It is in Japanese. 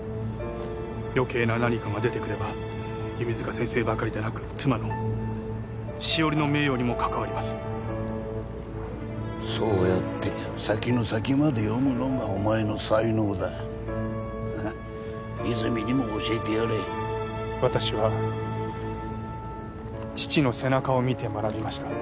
余計な何かが出てくれば弓塚先生ばかりでなく妻の汐里の名誉にもかかわりますそうやって先の先まで読むのがお前の才能だハハッ泉にも教えてやれ私は父の背中を見て学びました